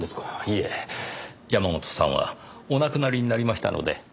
いえ山本さんはお亡くなりになりましたので。